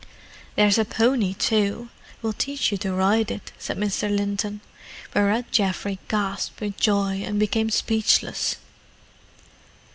"There's a pony too—we'll teach you to ride it," said Mr. Linton. Whereat Geoffrey gasped with joy and became speechless.